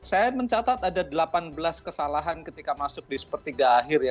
saya mencatat ada delapan belas kesalahan ketika masuk di sepertiga akhir ya